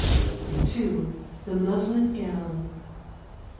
II. THE MUSLIN GOWN.